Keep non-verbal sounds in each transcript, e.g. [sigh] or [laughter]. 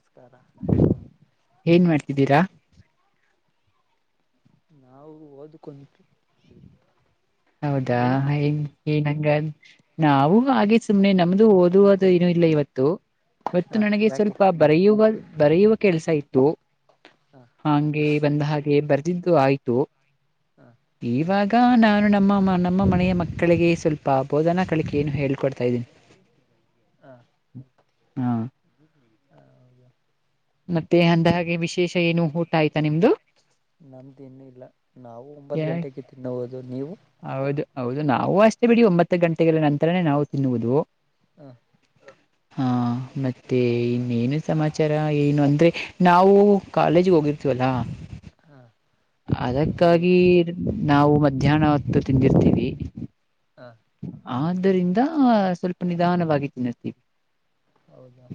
ನಮಸ್ಕಾರ ಏನ್ ಮಾಡ್ತಿದ್ದೀರಾ ನಾವು ಓದಕೊಂಡು ಹೌದಾ ಏನಂಗ ನಾವು ಆಗೆ ಸುಮ್ನೆ ನಮ್ದು ಓದುವ ಅದು ಏನು ಇಲ್ಲ ಇವತ್ತು ಮತ್ತು ಹಾ ನನಗೆ ಯಾಕೆ ಸ್ವಲ್ಪ ಬರೆಯುವ ಬರೆಯುವ ಕೆಲ್ಸ ಇತ್ತು ಹ ಹಂಗೆ ಬಂದ ಹಾಗೆ ಬರ್ದಿದ್ದು ಆಯ್ತು ಹ ಈವಾಗ ನಾನು ನಮ್ಮ ನಮ್ಮ ಮನೆಯ ಮಕ್ಕಳಿಗೆ ಸ್ವಲ್ಪ ಬೋಧನಾ ಕಳಿಕೆಯನ್ನು ಹೇಳ್ಕೊಡ್ತಾ ಇದ್ದೀನಿ ಹಾ ಹಾ ಹಾ ಹೌದಾ ಮತ್ತೆ ಅಂದಹಾಗೆ ವಿಶೇಷ ಏನು ಊಟ ಆಯ್ತಾ ನಿಮ್ದು ನಮ್ದ ಇನ್ನು ಇಲ್ಲ ನಾವು ಒಂಬತ್ ಯಾ- ಗಂಟೆಗೆ ತಿನ್ನಬಹುದು ನೀ ಹೌದು ಹೌದು ನಾವು ಅಷ್ಟೇ ಬಿಡಿ ಒಂಬತ್ತು ಗಂಟೆಗಳ ನಂತರನೇ ನಾವು ತಿನ್ನುವುದು ಹ ಹಾ ಮತ್ತೆ ಇನ್ನೇನು ಸಮಾಚಾರ ಏನು ಅಂದ್ರೆ ನಾವು ಕಾಲೇಜಿಗೆ ಹೋಗಿರ್ತೀವಲ್ಲಾ ಹ ಹೇಳಿ ಅದಕ್ಕಾಗಿ ನಾವು ಮಧ್ಯಾಹ್ನ ಹೊತ್ತು ತಿಂದಿರ್ತೀವಿ ಹ ಆದ್ದರಿಂದ ಸ್ವಲ್ಪ ನಿಧಾನವಾಗಿ ತಿನ್ನರ್ತೀವಿ ಹೌದಾ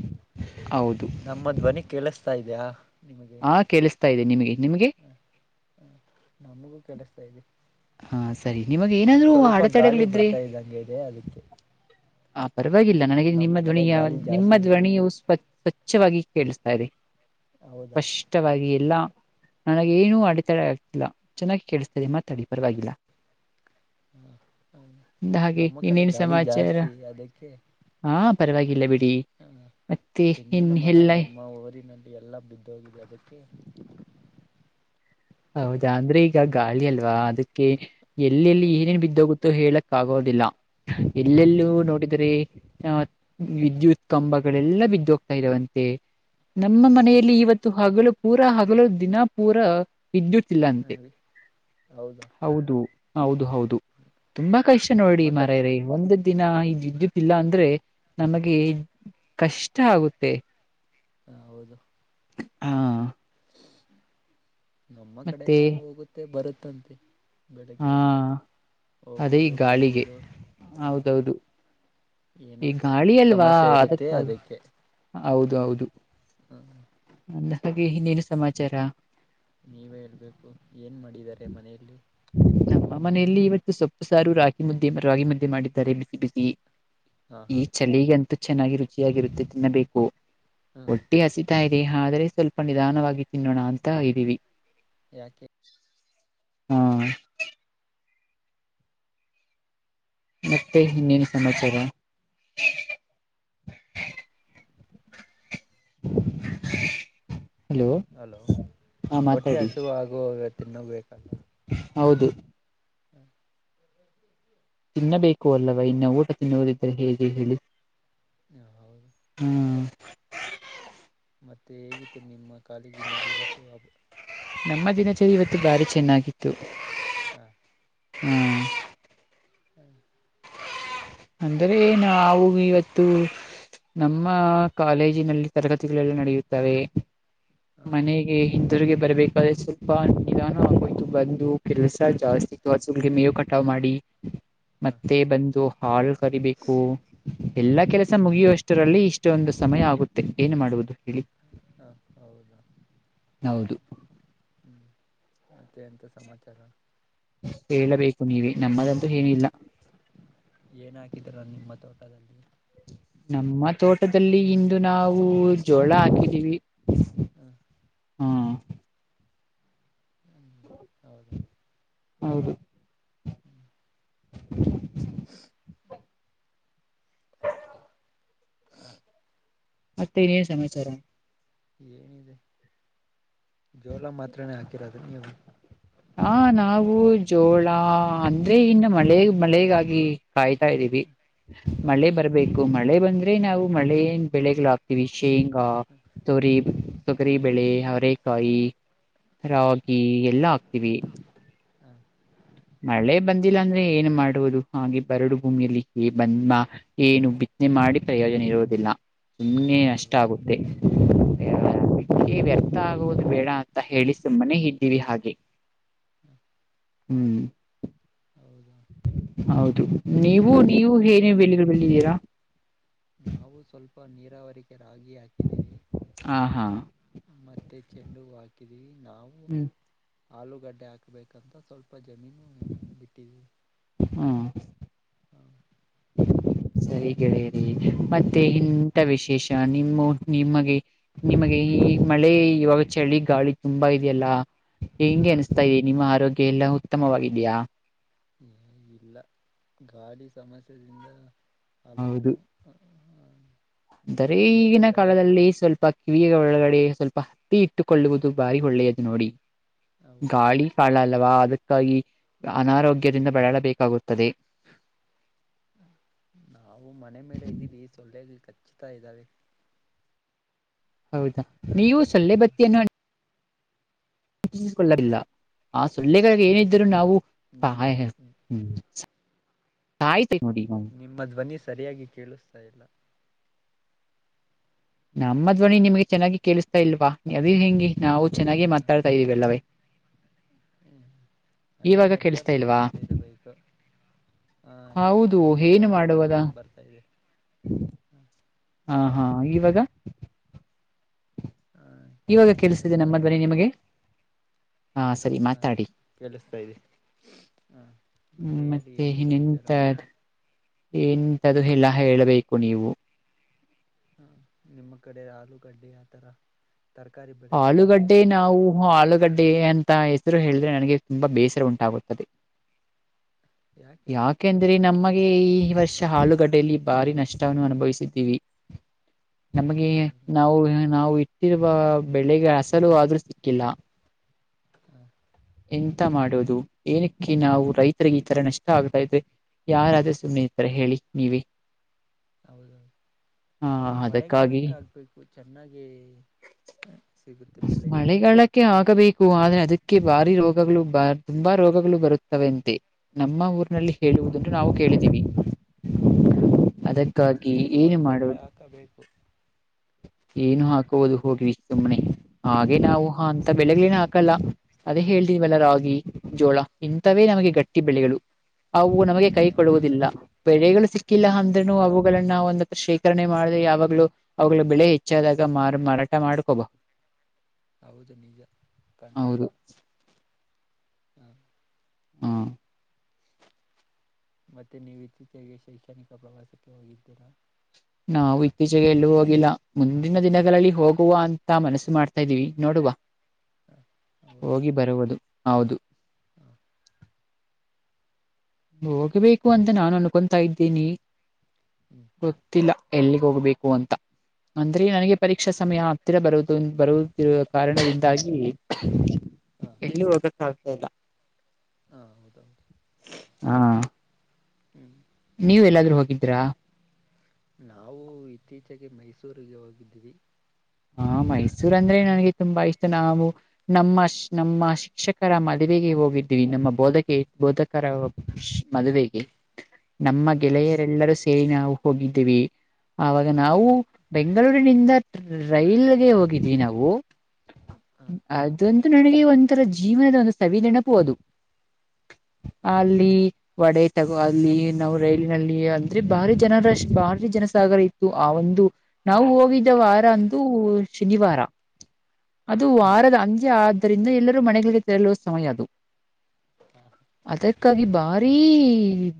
ನಮ್ಮದ್ವನಿ ಕೇಳಿಸತಾ ಇದ್ಯಾ ಹಾ ಕೇಳಿಸ್ತಾ ಇದೆ ನಿಮಗೆ ನಿಮ್ಗೆ ಹ ನಮಗೂ ಕೇಳಿಸ್ತಾ ಇದೆ ಹಾ ಸರಿ ನಿಮಗ್ ಏನಾದ್ರೂ ಸ್ವಲ್ಪ ಗಾಳಿ ಅಡತಡೆಗಳಿದ್ರೆ ಬರ್ತಾ ಇದ್ದಂಗೆ ಇದೆ ಅದಕ್ಕೆ ಆ ಪರವಾಗಿಲ್ಲ ನನಗೆ ನಮ್ಮ ನಿಮ್ಮ ಕಡೆ ಧ್ವನಿಯ ಗಾಳಿ ನಿಮ್ಮ ಜಾಸ್ತಿ ಇದೆ ಧ್ವನಿಯು ಸ್ವ ಸ್ವಚ್ಛವಾಗಿ ಕೇಳಿಸತ ಸರಿ ಹೌದಾ ಸ್ಪಷ್ಟವಾಗಿ ಎಲ್ಲಾ ನನಗೇಏನು ಅಡೆತಡೆ ಆಗ್ತಿಲ್ಲ ಚೆನ್ನಾಗಿ ಕೇಳಿಸ್ತದೆ ಮತ್ತೆ ತಡಿ ಪರವಾಗಿಲ್ಲ ಹಾಗೆ ನಮ್ಮ ಕಡೆ ಇನ್ನೇನ್ ಗಾಳಿ ಸಮಾಚಾರ ಜಾಸ್ತಿ ಹಾ ಪರವಾಗಿಲ್ಲ ಬಿಟ್ಟ ಹ ತೆಂಗಿನ ಮರ ಎಲ್ಲ ನಮ್ಮ ಊರಿನಲ್ಲಿ ಎಲ್ಲಾ ಬಿದ್ದ ೋಗದತಿ ಹೌದಾ ಅಂದ್ರೆ ಈಗ ಗಾಳಿ ಅಲ್ವಾ ಅದಕ್ಕೆ ಎಲ್ಲೆಲ್ಲಿ ಏನೇನ್ ಬಿದ್ದೋಗುತ್ತ ಇ ಹೇಳಕ್ ಆಗೋದಿಲ್ಲ ಎಲ್ಲೆಲ್ಲೂ ಹೌದೌದು ನೋಡಿದರೆ ಆ ವಿದ್ಯುತ್ ಕಂಬಗಳೆಲ್ಲ ಬಿದ್ದ ಹೋಗ್ತಾ ಇರುವಂತೆ ನಮ್ಮ ಹೌದು ಮನೆಯಲ್ಲಿ ಇವತ್ತು ಹಲು ಪೂರ ಹಗಲು ದಿನ ಪೂರಾ ವಿದ್ಯುತ್ ಇಲ್ಲಂತೆ ಹಾಗೆ ಹೌದಾ ಹೌದು ಹೌದು ಹೌದು ತುಂಬಾ ಕಷ್ಟ ನೋಡಿ ನಮ್ಮ ಮರ ಕಡೆ ಒಂದ ದಿನ ಈ ವಿದ್ಯುತ್ ಇಲ್ಲ ಅಂದ್ರೆ ನಮಗೆ ಕಷ್ಟ ಆಗುತ್ತೆ ಹ ಹೌದು ಹಾ ನಮ್ಮ ಮತ್ತೆ ಕಡೆನೂ ಹೋಗುತ್ತೆ ಬರುತ್ತಂತೆ ಹಾ ಬೆಳಿಗ್ಗೆಯಿಂದ ಅದೇ ಈ ಹೋಗುವುದು ಗಾಳಿಗೆ ಬರುವುದು ಹಾ ಹೌದೌದು ಏನ ಈ ಗಾಳಿ ಅಲ್ವಾ ಸಮಸ್ಯೆ ಇರುತ್ತೆ ಅದಕ್ಕಾಗಿ ಅದಕ್ಕೆ ಹೌದು ಹೌದು ಹ್ಮ ಅಂದ ಹಾಗೆ ಇನ್ನೇನು ಸಮಾಚಾರ ನೀವೇ ಹೇಳ್ಬೇಕು ಏನ್ ಮಾಡಿದಿದ್ದಾರೆ ಮನೆಯಲ್ಲಿ ಆ ಮನೆಯಲ್ಲಿ ಇವತ್ತು ಸೊಪ್ಪು ಸಾರು ರಾಗಿ ಮುದ್ದೆ ರಾಗಿ ಮುದ್ದೆ ಮಾಡಿದ್ದಾರೆ ಬಿಸಿ ಬಿಸಿ ಹಾ ಈ ಹಾ ಚಳಿಗೆ ಅಂತೂ ಚೆನ್ನಾಗಿ ರುಚಿಯಾಗಿರುತ್ತೆ ತಿನ್ನಬೇಕು ಹ್ಮ ಒಟ್ಟಿ ಹಸಿತಾಯ ಆದ್ರೆ ಸ್ವಲ್ಪ ನಿಧಾನವಾಗಿ ತಿನ್ನೋಣ ಅಂತ ಇದ್ದೀವಿ ಯಾಕೆ ಹ್ಮ ಮತ್ತೆ ಇನ್ನೇನು ಸಮಾಚಾರ [inaudible] [inaudible] ಹಲೋ ಹಾ ಹೊಟ್ಟೆ ಮಾತಾಡಿ ಹಸು ಹಾಗುವ ಇವತ್ತನ್ನುೂ ಬೇಕಲ್ಲ ಹೌದು ಹ್ಮ್ ತಿನ್ನಬೇಕು ಅಲ್ಲವಾ ಇನ್ನು ಊಟ ತಿನ್ನುವುದಿದ್ದರೆ ಹೇಗೆ ಹೇಳಿ ಹಾ ಹೌದು ಹ್ಮ್ ಮತ್ತೆ ಹೇಗಿತ್ತು ನಿಮ್ಮ ಕಾಲೇಜಿನಲ್ಲಿ ಇವತ್ತು ಹಾ ನಮ್ಮ ದಿನಚರಿ ಇವತ್ತು ಭಾರಿ ಚೆನ್ನಾಗಿತ್ತು ಹಾ ಹ್ಮ್ [inaudible] ಹ್ಮ್ ಅಂದ್ರೆ ಏನ ಅವವು ಇವತ್ತು ನಮ್ಮ ಕಾಲೇಜಿನಲ್ಲಿ ತರಗತಿಗಳೆಲ್ಲ ನಡೆಯುತ್ತವೆ ಮನೆಗೆ ಹಿಂದೂ್ರರಿಗೆ ಬರ್ಬೇಕಾದ್ರೆ ಸ್ವಲ್ಪ ನಿಧಾನುೋಯ್ತು ಬಂದು ಕೆಸ ಹಾ ಜಾಸ್ತಿ ಇತ್ತು ಹಸುಲ್ಗೆ ಮೇವು ಕಟಾವ್ ಮಾಡಿ ಹಾ ಮತ್ತೆ ಬಂದು ಹಾ ಕರಿಬೇಕು ಹಾ ಎಲ್ಲಾ ಕೆಲಸ ಮುಗಿಯುವಷ್ಟರಲ್ಲಿ ಇಷ್ಟೊಂದು ಸಮಯ ಆಗುತ್ತೆ ಏನು ಮಾಡುವುದು ಹೇಳಿ ಹಾ ಹೌದಾ ಹೌದು ಹ್ಮ್ [unintelligible] ಮ ಎಂತ ಸಮಾಚಾರ ಹೇಳಬೇಕು ನೀವ ನಮ್ಮದಂತೂ ಏನಿಲ್ಲ ಏನ್ ಹಾಕಿದೀರ ನಿಮ್ಮ ತೋಟದಲ್ಲಿ ಲ್ಲಿ ಇಂದು ನಾವು ಜೋಳ ಹಾಕಿದೀವಿ ಹ್ಮ್ ಹ್ಮ ಹೌದಾ ಹೌದು [unintelligible] [unintelligible] ಮತ್ತನೇ ಸಮಮಚಾರ ಏನಿದೆ ಜೋಳ ಮಾತ್ರನೇ ಹಾಕಿರೋದು ನೀವು ಹ ನಾವು ಜೋಳ ಅಂದ್ರೆ ಇನ್ನು ಮಳೆ ಮಳೆಗಾಗಿ ಕಾಯ್ತಾ್ದೀವಿ ಹ ಮಳೆ ಬರ್ಬೇಕು ಮಳೆ ಬಂದ್ರೆ ನಾವು ಮಳೆನ್ ಬೆಳೆಗಳು ಹಾಕ್ತಿೀವಿ ಶೇಂಗಾ ತೊರಿ ತೊಗರಿಬೇಳೆ ಅರೆಕಾಯಿ ರಾಗಿ ಎಲ್ಲಾ ಹಾಕ್ತಿೀವಿ ಹಾ [inaudible] ಮಳೆ ಬಂದಿಲ್ಲ ಅಂದ್ರೆ ಏನ್ ಮಾಡುವುದು ಹಾಗೆ ಬರಡು ಭೂಮಿಯಲ್ಲಿ ಹೇ ಬಂದಾ ಏನು ಬಿ ಮಾಡಿ ಪ್ರಯೋಜನ ಇರುವುದಿಲ್ಲ ಸುಮ್ಮನೆ ನಷ್ಟ ಹೌದೌದು ಆಗುತ್ತೆ [inaudible] ೇ ವ್ಯರ್ಥ ಆಗುವುದು ಬೇಡ ಅಂತ ಹೇಳಿ ಸುಮ್ಮನೆ ಇದ್ದೀವಿ ಹಾಗೆ ಹ್ಮ್ ಹೌದಾ ಹೌದು ನೀವು ನೀವು ನಾವು ಸ್ವ ಏನ ಬೆಳೆಗಳುಲ್ಲಿದ್ದೀರಾ ರಾವರಿಗೆ ರಾಗಿ ಹಾಕಿದೀವಿ ಹಾ ಹಾ ಮತ್ತೆ ಚೆಂಡು ಹ ಹಾಕಿದೀವಿ ನಾವು ಹ್ಮ್ ಆಲೂಗಡ್ಡೆ ಹಾಕ್ಬೇಕಂತ ಸ್ವಲ್ಪ ಪಾಜಮೀನು ಬಿಟ್ಟಿದೀವಿ ಹ್ಮ್ ಹ ಸರಿ ಗೆಳೆಯರಿ ಮತ್ತೆ ಹ ಇಂಥ ವಿಶೇಷ [inaudible] ನಿಮ್ಮ ನಿಮಗೆ ನಿಮಗೆ ಈ ಮಳೆ ಇವಾಗ ಚಳಿ ಗಾಳಿ ತುಂಬಾ ಇದೆಯಲ್ಲಾ ಹ ಹೆಂಗೆ ಅನ್ಸ್ತಾ ಇರಿ ನಿಮ್ಮ ಆರೋಗ್ಯ ಎಲ್ಲಾ ಉತ್ತಮವಾಗಿದ್ಯಾ? ಏ ಇಲ್ಲ ಗಾಳಿ ಸಮಸ್ಯೆದಿಂದ- ಅದು ಹೌದು ಹ್ಮ ಅಂದರೆ ಈಗಿನ ಕಾಲದಲ್ಲಿ ಸ್ವಲ್ಪ ಕಿವಿಯಿಗೆ ಒಳಗಡೆ. ಸ್ವಲ್ಪ ಹತ್ತಿ ಇಟ್ಟುಕೊಳ್ಳುವುದು ಬಾರಿ ಒಳ್ಳೆಯದು ನೋಡಿ ಹೌದು ಗಾಳಿ ಕಾಳ ಅಲ್ಲವಾ. ಅದಕ್ಕಾಗಿ ಅನಾರೋಗ್ಯದಿಂದ ಬಳಲಬೇಕಾಗುತ್ತದೆ. ನಾವು ಮನೆ ಮೇಲೆ ಇದ್ದೀವಿ ಸೊಳ್ಳೆ ಖಚ್ಛತಾ ಇದ್ದಾವೆ. ಹೌದಾ ನೀವು ಸೊಳ್ಳೆ ಬತ್ತಿಯನ್ನು ಹಚ್ಚಿಕೊಳ್ಳಲಿಲ್ಲ ಆ ಸೊಳ್ಳೆಗೆ ಏನಿದ್ದರೂ ನಾವು ನಿಮ್ಮ ಆಯ್ತ್- ನಿಮ್ಮ ಧ್ವನಿ ಸರಿಯಾಗಿ ಕೇಳಿಸ್ತಾ ಇಲ್ಲ. ನಮ್ಮ ಧ್ವನಿ ನಿಮ್ಗೆ ಚೆನ್ನಾಗಿ ಕೇಳಿಸ್ತಾ ಇಲ್ವಾ ಅದ ಹೆಂಗಿ ನಾವು ಚೆನ್ನಾಗಿ ಹ ಮಾತಾಡ್ತಾ ಇದೀವಿಲ್ಲವೇ. [inaudible] ಅದೇ ಇವಾಗ ಕೇಳಿಸ್ತಾ ನೆಟ್ವರ್ಕ್ ಇಲ್ವಾ ಸಮಸ್ಯೆ ಇರಬೇಕು. ಹಾ ಈ ಹೌದು ಸ್ವಲ್ಪ ಏನು ಗಾಲಿ ಮಾಡುವದ ಬಂದ ಬರ್ತಾ ಇದೆ ಹ. ಹಾ ಹಾ ಇವಾಗ ಹ ಇವಾಗ ಕೇಳಸತದೆ ಕೇಳಿಸ್ತಾ ನಮ್ಮ ಇದೆ ಧ್ವನಿ ನಿಮಗೆ? ಸರಿ ಹಾ ಮಾತಾಡಿ ಕೇಳಿಸ್ತಾ ಇದೆ. ಹ ಹ್ಮ್ ಹೇಳಿ ಮತ್ತೆ ಏನ್ ಇನ್ನಂತ. ಸಮಾಚಾರ ಎಂತದು ಎಲ್ಲಾ ಹೇಳಬೇಕು ನೀವು. ಹ ನಿಮ್ಮ ಕಡೆ ಆಲೂಗಡ್ಡೆ ಆತರ ತರಕಾರಿ ಬೆಳೆಗಳು ಆಲೂಗಡ್ಡೆ ಬೆಳೆಯಲ್ವಾ ನಾವು ಆಲೂ ಗಡ್ಡೆ ಅಂತ ಹೆಸರು ಹೇಳಿದ್ರೆ ನನಗೆ ತುಂಬಾ ಬೇಸರ ಉಂಟಾಗುತ್ತದೆ. ಯಾಕೆ ಯಾಕೆಂದ್ರೆ ನಮ್ಮಗೆ ಈ ವರ್ಷ ಆಲೂಗಡ್ಡೆಯಲ್ಲಿ ಭಾರಿ ನಷ್ಟವನ್ನು ಅನುಭವಿಸಿದ್ದೀವಿ. ಹ ನಮಗೆ ಹೌದು ನಾವು ನಾವು ಇಟ್ಟಿರುವ ಬೆಲೆಗೆ ಅಸಲು ಆದ್ರೂ ಸಿಕ್ಕಿಲ್ಲ. ಹ ಎಂತ ಮಾಡೋದು ಏನಕ್ಕೆ ನಾವು ರೈತರಿಗೆ ಈ ತರ ನಷ್ಟ ಆಗ್ತಾ ಇದೆ. ಯಾರಾದ್ರೆ ಸುಮ್ಮ್ನೆ ಇದ್ರೆ ಹೇಳಿ ನೀವೇ. ಹೌದೌದು ಹಾ ನೀವು ಅದಕ್ಕಾಗಿ ಮಳೆಗಾಲಕ್ಕೆ ಹಾಗ್ಬೇಕು ಚೆನ್ನಾಗೆ ಮಳೆಗಾಲಕ್ಕೆ ಹಾಕಬೇಕು ಆದ್ರೆ ಅದಕ್ಕೆ ಬಾರಿ ರೋಗಗಳು ಬಾ ತುಂಬಾ ರೋಗಗಳು ಬರುತ್ತವೆ ಅಂತೆ ನಮ್ಮ ಊರಿನಲ್ಲಿ ಹೇಳುವುದನ್ನು ಹ ನಾವು ಕೇಳಿದ್ದೀವಿ. ಹೌದು ಅದಕ್ಕಾಗಿ ನೀವು ಏನು ಒಂದ್ಸಲಿ ಮಾಡುವುದು ಹಾಕಬೇಕು ಏನು ಹಾಕ ಹೋದು ಹೋಗ್ವಿ ಸುಮ್ಮನೆ. ಹಾಗೆ ನಾವು ಅಂತ ಬೆಲೆಗಳನ್ನೇ ಹಾಕಲ್ಲ ಅದೇ ಹೇಳ್ತಿದವಲ್ಲ ರಾಗಿ ಜೋಳ ಇಂತಥವೇ ಹ ನಮಗೆ ಗಟ್ಟಿ ಬೆಳೆಗಳು. ಅವು ನಮಗೆ ಕೈ ಹಾ ಕೊಡುವುದಿಲ್ಲ ಬೆಲೆಗಳು ಸಿಕ್ಕಿಲ್ಲ ಹಾ ಅಂದ್ರನು ಅವುಗಳನ್ನ ಒಂದು ಶೇಖರಣೆ ಮಾಡ್ರೆ ಯಾವಾಗ್ಲೂ ಅವಾಗ್ಳ ಬೆಲೆ ಹೆಚ್ಚಾದಾಗ ಮಾರ ಮಾರಾಟ ಮಾಡ್ಕೋಬಹುದು. ಹೌದು ನಿಜತಾನೆ. ಹೌದು ಹಾ ಮತ್ತೆ ನೀವು ಇತ್ತೀಚೆಗೆ ಶೈಕ್ಷಣಿಕ ಪ್ರವಾಸಕ್ಕೆ ಹೋಗಿದ್ದೀರಾ? ನಾವು ಇತ್ತೀಚೆಗೆ ಎಲ್ಲೂ ಹೋಗಿಲ್ಲ ಮುಂದಿನ ದಿನಗಳಲ್ಲಿ ಹೋಗುವ ಅಂತ ಮನಸ್ಸು ಮಾಡ್ತಾ ಇದೀವಿ ನೋಡುವ ಹ - ಹೌದು ಹೋಗಿ ಬರುವುದು ಹೌದು. ಹ ಹೋಗ್ಬೇಕು ಅಂತ ನಾನು ಅನ್ಕೊತಾ ಇದ್ದೀನಿ ಹ್ಮ್ ಗೊತ್ತಿಲ್ಲ ಎಲ್ಲಿ ಹೋಗ್ಬೇಕು ಅಂತ ಅಂದ್ರೆ ಹ ನನಗೆ ಪರೀಕ್ಷಾ ಸಮಯ ಹತ್ತಿರ ಬರುದು ಬರು ಕಾರಣದಿಂದಾಗಿ ಹ ಎಲ್ಲಿ ಹೋಗಕ್ಕಾಗ್ತಿಲ್ಲ. ಹಾ ಹೌದ. ಹಾ. [unintelligible] ನೀವು ಎಲ್ಲಾದ್ರೂ ಹೋಗಿದ್ರಾ? ನಾವು ಇತ್ತೀಚೆಗೆ ಮೈಸೂರಿಗೆ ಹೋಗಿದ್ದೀವಿ ಹಾ ಮೈಸೂರ್ ಅಂದ್ರೆ ನನಗೆ ತುಂಬಾ ಇಷ್ಟ ನಾವು ನಮ್ಮ ನಮ್ಮ ಶಿಕ್ಷಕರ ಮದುವೆಗೆ ಹೋಗಿದ್ದೀವಿ ನಮ್ಮ ಬೋಧಕೆ ಬೋಧಕರ ಮದುವೆಗೆ ನಮ್ಮ ಹ ಗೆಳೆಯರೆಲ್ಲರೂ ಸೇರಿ ನಾವು ಹೋಗಿದ್ದೀವಿ ಆಾಗ ನಾವು ಹ ಬೆಂಗಳೂರಿನಿಂದ ರೈಲ್ಗೆ ಹೋಗಿದ್ವಿ ನಾವು ಹ ಅದಂತೂ ನನಗೆ ಒಂಥರ ಜೀವನದ ಒಂದು ಸವಿಧನಪು ಅದು ಹ ಅಲ್ಲಿ ವಡೆ ತಗೋ ಅಲ್ಲಿ ನಾವು ರೈಲಿನಲ್ಲಿ ಅಂದ್ರೆ ಬಾರಿ ಜನರಷ್ಟ ಬಾರಿ ಜನ ಸಾಗರ ಇತ್ತು ಆ ಒಂದು ನಾವು ಹೋಗಿದ್ದ ಅಂದು ಶನಿವಾರ ಹ ಅದು ವಾರದ ಆದ್ದರಿಂದ ಎಲ್ಲರೂ ಮನೆಗಳಿಗೆ ತೆರಳುವ ಸಮಯ ಅದು ಅದಕ್ಕಾಗಿ ಬಾರಿೀ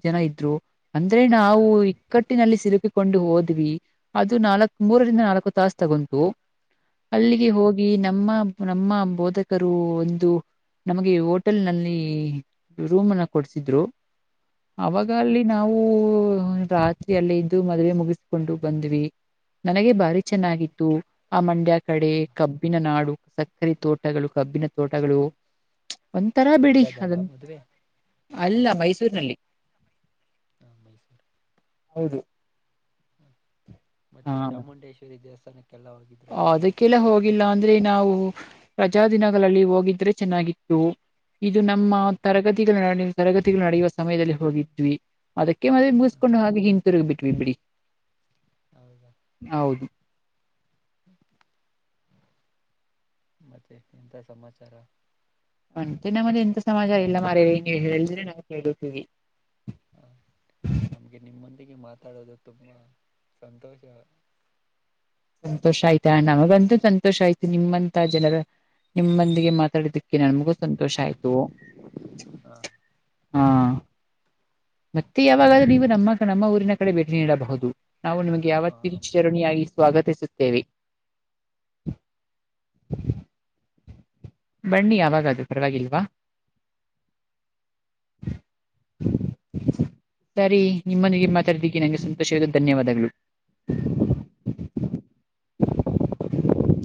ಜನ ಇದ್ರು ಅಂದ್ರೆ ನಾವು ಇಕ್ಕಟ್ಟಿನಲ್ಲಿ ಸಿಲುಕ ಕೊಂಡು ಹೋದ್ವಿ ಅದು ನಾಲ್ ಹ ಮೂರರಿಂದ ನಾಲ್ಕು ತಸ್ ತಗೊಂತು ಹ ಅಲ್ಲಿಗೆ ಹೋಗಿ ಈ ನಮ್ಮ ನಮ್ಮ ಬೋಧಕರು ಒಂದು ನಮಗೆ ಹೋಟೆಲ್ ನಲ್ಲಿ ರೂಮ್ನ ಕೊಡ್ಸಿದ್ರು ಅವಾಗ ಅಲ್ಲಿ ನಾವು ರಾತ್ರಿ ಅಲ್ಲ ಇದ್ದು ಮದ್ವೆ ಮುಗಿಸ್ಕೊಂಡು ಬಂದ್ವಿ ನನಗೆ ಭಾರಿ ಚೆನ್ನಾಗಿದ್ದತ್ತು ಆ ಮಂಡ್ಯ ಕಡೆ ಕಬ್ಬಿನ ನಾಡು ಸಕ್ಕರೆ ತೋಟಗಳು ಕಬ್ಬಿನ ತೋಟಗಳು ಒಂಥರ ಬಿಡಿ ಮಂಡ್ಯದಲ್ಲ ಅದಂತ ಮದುವೆ ಅಲ್ಲ ಮೈಸೂರಿನಲ್ಲಿ ಹ ಮೈಸೂರು ಹೌದು ಹಾ ಮತ್ತೆ ಚಾಮುಂಡೇಶ್ವರಿ ದೇವಸ್ಥ ಅದಕ್ಕೆಲ್ಲ ಹೋಗಿಲ್ಲ ಅಂದ್ರೆ ನಾವು ರಜ ದಿನಗಳಲ್ಲಿ ಹೋಗಿದ್ರೆ ಚೆನ್ನಾಗಿತ್ತು ಇದು ನಮ್ಮ ಹ ತರಗತಿಗಳು ತರಗತಿಗಳು ನಡೆಯುವ ಸಮಯದಲ್ಲಿ ಹೋಗಿದ್ವಿ ಅದಕ್ಕೆ ಮೆ ಮು ಹ ಕಕೊಂಡು ಹಾಗೆ ಹಿಿಂದಂತರುಗಿ ಬಿಟ್ವಿ ಬಿಡಿ ಹೌದು ಹ್ಮ ಮತ್ತೆ ಎಂತ ಸಮಾಚಾರ ಮಂತೆೆ ನಮ್ಮಲ್ಲಿ ಎಂತ ಸಮಾಚಾರ ಇಲ್ಲ ಮಾರ ನೀ ಹೇಳಿದ್ರೆ ನಾವು ಕೇಳುತ್ತೀವಿ ಹ [inaudible] ನಮ್ಗೆ ನಿಮ್ಮೊಂದಿಗೆ ಮಾತಾಡೋದು ತುಂಬಾ ಸಂತೋಷ ಸಂತೋಷ ಆಯ್ತಾ ನಮಗಂತೂ ಸಂತೋಷ ಆಯ್ತು ನಿಮ್ಮಂತ ಜನರ ನಿಮ್ಮೊಂದಿಗೆ ಮಾತಾಡಿದಕ್ಕೆ ನನ್ಗೂ ಸಂತೋಷ ಆಯ್ತು ಹ ಹಾ ಮತ್ತೆ ಯಾವಾಗಾದ್ರೂ ನೀವು ನಮ್ಮ ನಮ್ಮ ಊರಿನ ಕಡೆ ಭೇಟಿ ನೀಡಬಹುದು ನಾವು ನಿಮ್ಗೆ ಹಾ ಬೇ ಯಾವತ್ತಚರಣಿ ಆಗ ಸ್ವಾಗತಿಸುತ್ತೇವೆ ಬಣ್ಣಿ ಯಾವಾಗ ಅದು ಪರವಾಗಿಲ್ವಾ [inaudible] ಸರಿ ನಿಮ್ಮೊಂದಿಗೆ ಮಾತಾಡಿದ್ದೀಿ ನಂಗೆ ಸಂತೋಷವ ಧನ್ಯವಾದಗಳು [inaudible]